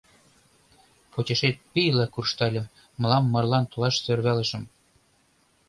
— Почешет пийла куржтальым, мылам марлан толаш сӧрвалышым...